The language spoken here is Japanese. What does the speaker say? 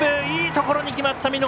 いいところに決まった。